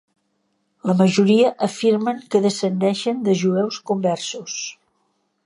La majoria afirmen que descendeixen de jueus conversos.